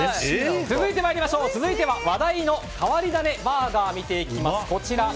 続いては、話題の変わり種バーガーを見ていきます。